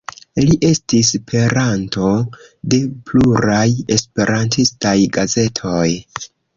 Li estis peranto de pluraj esperantistaj gazetoj.